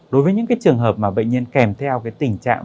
đối với những trường hợp mà bệnh nhân kèm theo tình trạng